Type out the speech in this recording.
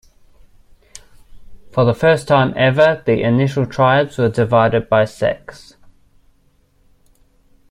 For the first time ever, the initial tribes were divided by sex.